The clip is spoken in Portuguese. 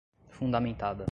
fundamentada